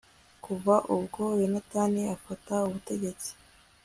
kuva ubwo yonatani afata ubutegetsi